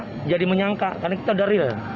menjadi menyangka karena kita sudah real